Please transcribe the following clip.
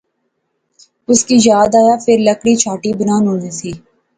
اس کی یاد آیا فیر لکڑی چہاٹھی بنانونی سی